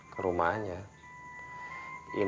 kalo dia begini